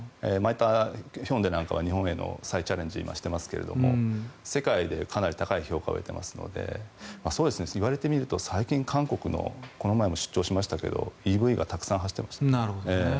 ヒョンデなんかは日本で再チャレンジしてますが世界でも評価されていますので言われてみると最近、韓国のこの前も出張しましたけどＥＶがたくさん走っていましたね。